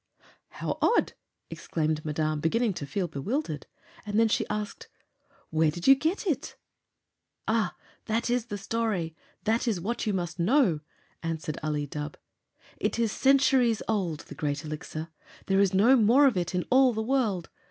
"How odd!" exclaimed Madame, beginning to feel bewildered. And then she asked: "Where did you get it?" "Ah! that is the story. That is what you must know," answered Ali Dubh. "It is centuries old, the Great Elixir. There is no more of it in all the world.